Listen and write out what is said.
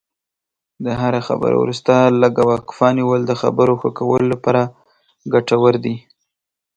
د هرې خبرې وروسته لږه وقفه نیول د خبرو ښه کولو لپاره ګټور دي.